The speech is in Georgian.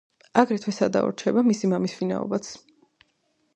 აგრეთვე სადავოდ რჩება მისი მამის ვინაობაც.